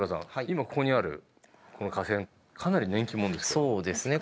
今ここにあるこの架線かなり年季物ですね。